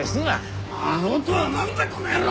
アホとはなんだこの野郎！